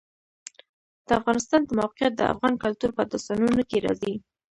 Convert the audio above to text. د افغانستان د موقعیت د افغان کلتور په داستانونو کې راځي.